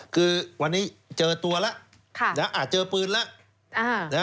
คือวันนี้เจอตัวแล้วเจอปืนแล้ว